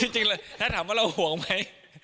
จริงเลยถ้าถามว่าเราห่วงไหม